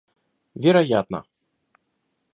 Вероятно